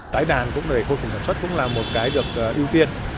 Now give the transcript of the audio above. tái đàn cũng là một cái được ưu tiên